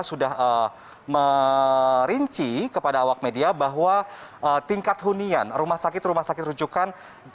sudah merinci kepada awak media bahwa tingkat hunian rumah sakit rumah sakit rujukan